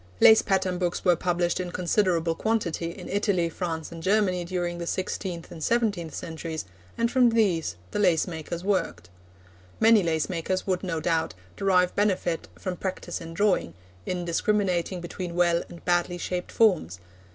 Lace pattern books were published in considerable quantity in Italy, France and Germany during the sixteenth and seventeenth centuries, and from these the lace makers worked. Many lace makers would, no doubt, derive benefit from practice in drawing, in discriminating between well and badly shaped forms.